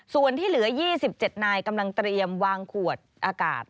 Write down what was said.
ส่วนที่เหลือ๒๗นายกำลังเตรียมวางขวดอากาศ